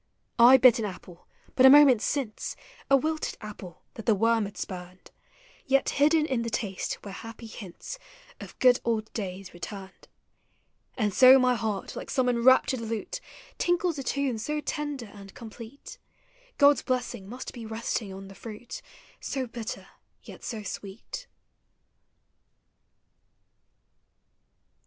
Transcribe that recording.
I bit an apple but a moment since, — A wilted apple that the worm had spurned, — Yet hidden in the taste were happy hiuts Of good old days returned. And so my heart, like some enraptured lute, Tinkles a tune so tender and complete, God's blessing must be resting on the fruit So bitter, yet so sweet